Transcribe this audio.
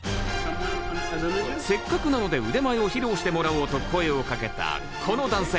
せっかくなので腕前を披露してもらおうと声をかけたこの男性。